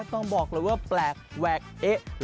ต้องบอกเลยว่าแปลกแหวกเอ๊และมีประโยชน์